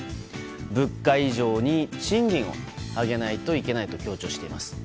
物価以上に賃金を上げないといけないと強調しています。